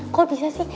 kok bisa sih